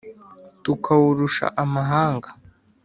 Tukawurusha amahanga